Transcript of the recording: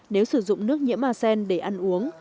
nếu sử dụng nước nhiễm arsen để ăn uống